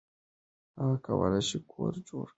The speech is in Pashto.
هغه کولی شي کور جوړ کړي.